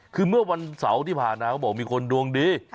คือเมื่อวันเสาร์ที่ผ่านมาเขาบอกมีคนดวงดี